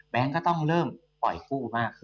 ก็ต้องเริ่มปล่อยกู้มากขึ้น